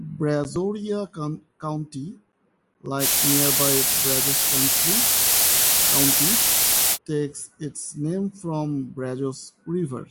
Brazoria County, like nearby Brazos County, takes its name from the Brazos River.